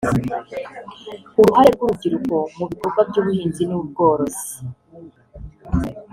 “Uruhare rw’Urubyiruko mu bikorwa by’Ubuhinzi n’Ubworozi